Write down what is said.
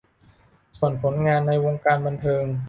ส่วนผลงานในวงการบันเทิง